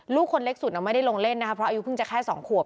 ลูกคนเล็กสุดไม่ได้ลงเล่นนะคะเพราะอายุเพิ่งจะแค่๒ขวบ